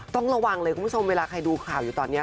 ต้องระวังเลยคุณผู้ชมเวลาใครดูข่าวอยู่ตอนนี้